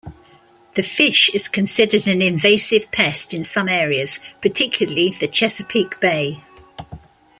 The fish is considered an invasive pest in some areas, particularly the Chesapeake Bay.